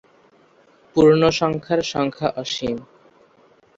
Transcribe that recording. পূর্ণসংখ্যার সংখ্যা অসীম।